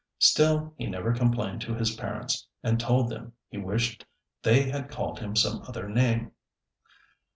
Still he never complained to his parents, and told them he wished they had called him some other name.